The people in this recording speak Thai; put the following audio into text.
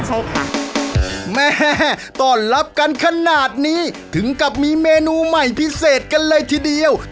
ใช่ค่ะแม่ต้อนรับกันขนาดนี้ถึงกับมีเมนูใหม่พิเศษกันเลยทีเดียว